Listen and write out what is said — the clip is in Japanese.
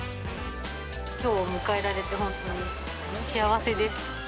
きょうを迎えられて本当に幸せです。